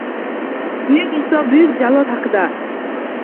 Buyuk inson, Buyuk jallod haqida.